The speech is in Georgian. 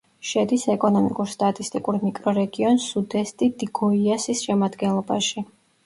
შედის ეკონომიკურ-სტატისტიკურ მიკრორეგიონ სუდესტი-დი-გოიასის შემადგენლობაში.